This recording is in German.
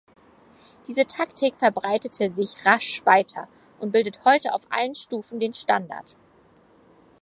Diese Taktik verbreitete sich rasch weiter und bildet heute auf allen Stufen den Standard.